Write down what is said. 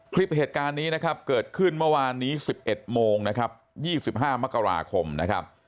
คลิปเหตุการณ์นี้นะครับเกิดขึ้นเมื่อวานนี้๑๑โมงนะครับ๒๕มกราคมนะครับ